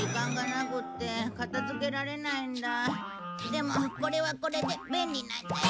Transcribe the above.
でもこれはこれで便利なんだよ。